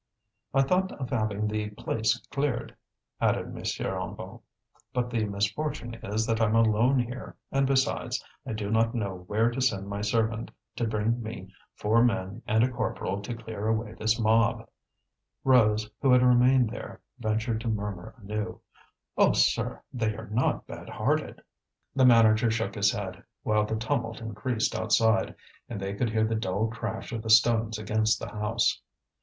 "I thought of having the place cleared," added M. Hennebeau. "But the misfortune is that I'm alone here, and, besides, I do not know where to send my servant to bring me four men and a corporal to clear away this mob." Rose, who had remained there, ventured to murmur anew: "Oh, sir! they are not bad hearted!" The manager shook his head, while the tumult increased outside, and they could hear the dull crash of the stones against the house.